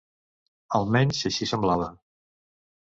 Almenys així semblava.